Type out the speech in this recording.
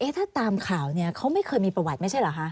ถ้าตามข่าวเนี่ยเขาไม่เคยมีประวัติไม่ใช่เหรอคะ